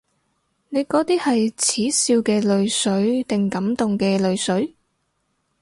你嗰啲係恥笑嘅淚水定感動嘅淚水？